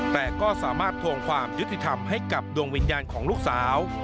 แต่ก็สามารถทวงความยุติธรรมให้กับดวงวิญญาณของลูกสาว